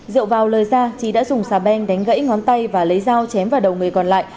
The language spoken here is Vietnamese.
rượu vào lời ra trí đã dùng xà beng đánh gãy ngón tay và lấy dao chém vào đầu người còn lại